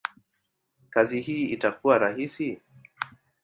kazi hii itakuwa rahisi?